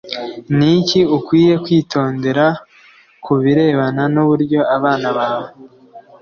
Ni iki ukwiriye kwitondera ku birebana n uburyo abana bawe